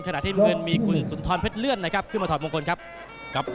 ขณะที่เมืองมีคุณสุนทรเพศเลื่อนขึ้นมาถอดมงคลครับ